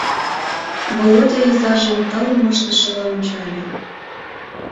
Володя изажым таум ыштышыла ончале.